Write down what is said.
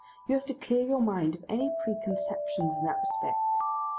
You have to clear your mind of any preconceptions in that respect.